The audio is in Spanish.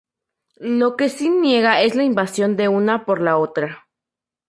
Lo que sí niega es la invasión de una por la otra.